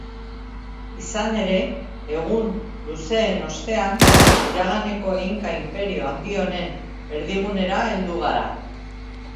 Izan ere, egun luzeen ostean iraganeko Inka inperio handi honen erdigunera heldu gara.